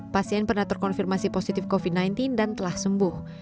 pasien pernah terkonfirmasi positif covid sembilan belas dan telah sembuh